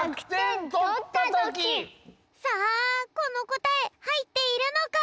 さあこのこたえはいっているのか！？